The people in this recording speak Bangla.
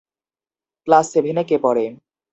ক্লাস সেভেনে কে পড়ে?